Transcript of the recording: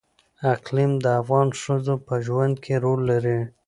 اقلیم د افغان ښځو په ژوند کې رول لري.